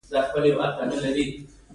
د دې باوجود هغوی نور غلامان نه شمیرل کیدل.